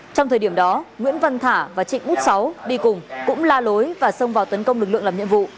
trong thời điểm đó nguyễn văn thả và trịnh bút sáu đi cùng cũng la lối và xông vào tấn công lực lượng làm nhiệm vụ